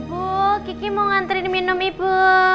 ibu kiki mau ngantri minum ibu